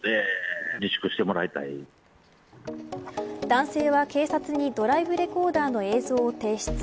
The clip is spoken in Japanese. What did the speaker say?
男性は警察にドライブレコーダーの映像を提出。